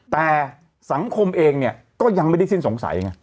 แต่สังคมเองเนี่ยก็ยังไม่ได้สิ้นสงสัยไง